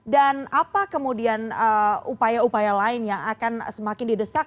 dan apa kemudian upaya upaya lain yang akan semakin didesak